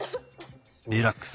リラックス。